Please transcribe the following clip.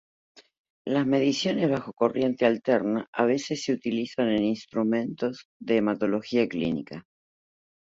Las mediciones bajo corriente alterna a veces se utilizan en instrumentos de hematología clínica.